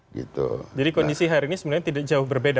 jadi kondisi hari ini sebenarnya tidak jauh berbeda